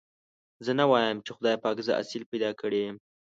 زه نه وايم چې خدای پاک زه اصيل پيدا کړي يم.